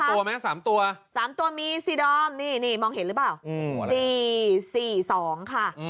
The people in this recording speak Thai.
ตัวไหม๓ตัว๓ตัวมีสีดอมนี่มองเห็นหรือเปล่า๔๔๒ค่ะ